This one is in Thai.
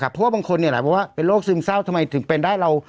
เพราะว่าบางคนเนี้ยแหละเพราะว่าเป็นโรคซึมเศร้าทำไมถึงเป็นได้เรา